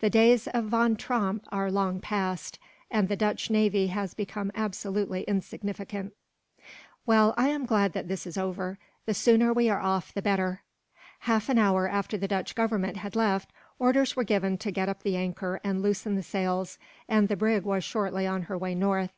The days of Van Tromp are long passed, and the Dutch navy has become absolutely insignificant. "Well, I am glad that this is over. The sooner we are off, the better." Half an hour after the Dutch Governor had left, orders were given to get up the anchor and loosen the sails, and the brig was shortly on her way north.